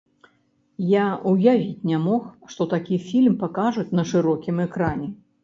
Я ўявіць не мог, што такі фільм пакажуць на шырокім экране.